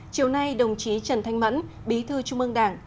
chiều nay đồng chí trần thanh mẫn bí thư trung ương đảng